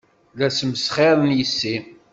La tesmesxirem yes-i.